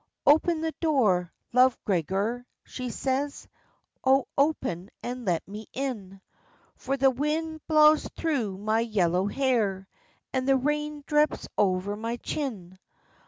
"O open the door, Love Gregor," she says, "O open, and let me in; For the wind blaws thro' my yellow hair, And the rain draps o'er my chin."